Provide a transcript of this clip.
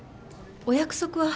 お約束は？